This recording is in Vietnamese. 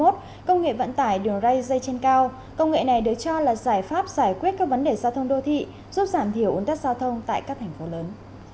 tại đường ray dây trên cao công nghệ này được cho là giải pháp giải quyết các vấn đề giao thông đô thị giúp giảm thiểu ấn tất giao thông tại các thành phố lớn